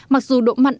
mặc dù độ mặn